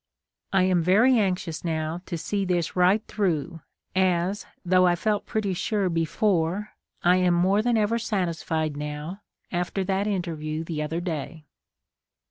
I am very anxious now to see this right through, as, though I felt pretty sure before, I am more than ever satisfied now after that interview the other day.